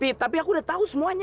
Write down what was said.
pi tapi aku udah tau semuanya